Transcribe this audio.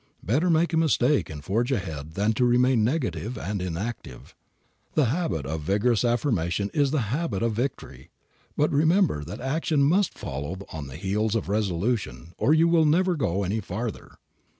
Better make a mistake and forge ahead than to remain negative and inactive. The habit of vigorous affirmation is the habit of victory. But remember that action must follow on the heels of resolution or you will never go any farther.